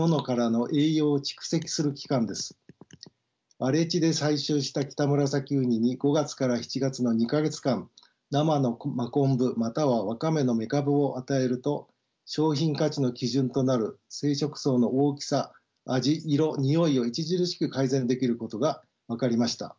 荒れ地で採集したキタムラサキウニに５月から７月の２か月間生のマコンブまたはワカメのメカブを与えると商品価値の基準となる生殖巣の大きさ味色においを著しく改善できることが分かりました。